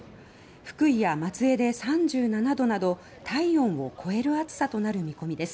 福井や松江で３７度など体温を超える暑さとなる見込みです。